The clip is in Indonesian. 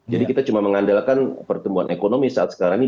jadi kita cuma mengandalkan pertumbuhan ekonomi saat sekarang ini